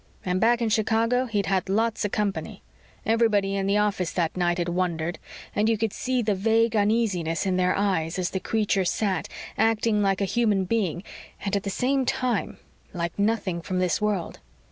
And back in Chicago, he'd had lots of company. Everybody in the office that night had wondered, and you could see the vague uneasiness in their eyes as the creature sat, acting like a human being and, at the same time, like nothing from this world.